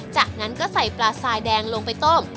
จากนั้นก็ใส่ปลาทรายแดงลงไปต้ม